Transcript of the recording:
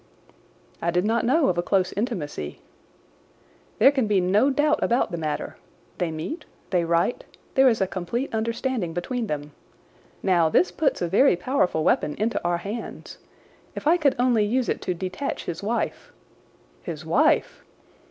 "I did not know of a close intimacy." "There can be no doubt about the matter. They meet, they write, there is a complete understanding between them. Now, this puts a very powerful weapon into our hands. If I could only use it to detach his wife—" "His wife?"